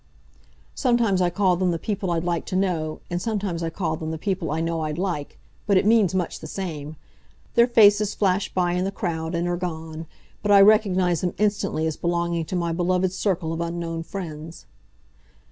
Sometimes I call them the People I'd Like to Know and sometimes I call them the People I Know I'd Like, but it means much the same. Their faces flash by in the crowd, and are gone, but I recognize them instantly as belonging to my beloved circle of unknown friends.